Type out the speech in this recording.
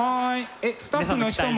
えっスタッフの人も？